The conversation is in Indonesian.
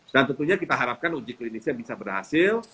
dan tentunya kita harapkan uji klinisnya bisa berhasil